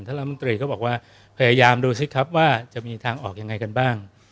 รัฐมนตรีก็บอกว่าพยายามดูสิครับว่าจะมีทางออกยังไงกันบ้าง